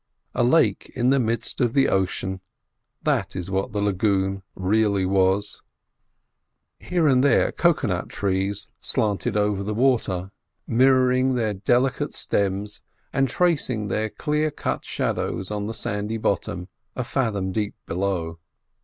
A lake in the midst of the ocean, that is what the lagoon really was. Here and there cocoa nut trees slanted over the water, mirroring their delicate stems, and tracing their clear cut shadows on the sandy bottom a fathom deep below.